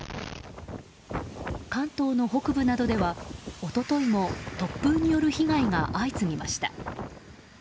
関東の北部などでは一昨日も突風による被害が相次ぎました。